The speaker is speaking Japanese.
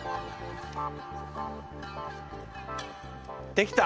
できた！